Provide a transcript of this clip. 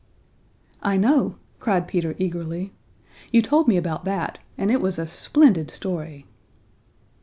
"I know!" cried Peter eagerly. "You told me about that, and it was a splendid story."